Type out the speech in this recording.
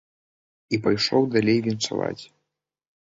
І пайшоў далей віншаваць.